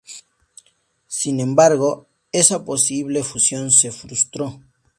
Sin embargo, esa posible fusión se frustró.